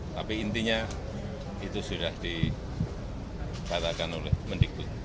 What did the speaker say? tapi intinya itu sudah dibatalkan oleh pendikbud